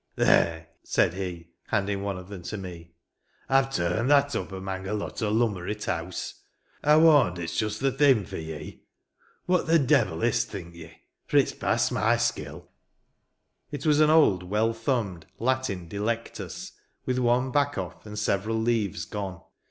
"There," said he, handing one of them to me ; "I've turned that up amang a lot o' lummer i't house. I warnd it's just the thing for ye. What the devil is't, think ye? For it's past my skill." It was an old, well thumbed, Latin Delectus, with one back off, and several leaves gone.